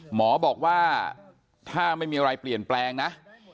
หมอบอกว่าถ้าไม่มีอะไรเปลี่ยนแปลงนะ